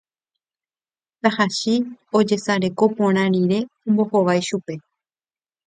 Tahachi ojesareko porã rire ombohovái chupe